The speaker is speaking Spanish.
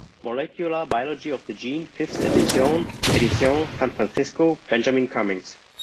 Molecular Biology of the Gene, Fifth edition edición, San Francisco: Benjamin Cummings.